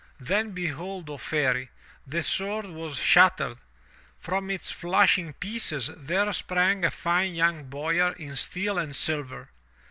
Then behold, O fairy! The sword was shattered. From its flashing pieces there sprang a fine young boyar in steel and silver.